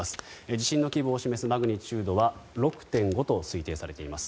地震の規模を示すマグニチュードは６．５と推定されています。